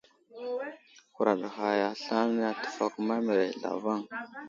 Huraɗ ghay aslane təfakuma mərəz zlavaŋ.